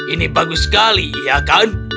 ini bagus sekali ya kan